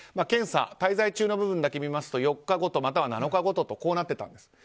検査、滞在中の部分だけ見ますと４日ごと、または７日ごととなってたんです。